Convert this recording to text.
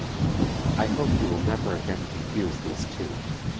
I hope you will never again confuse these two.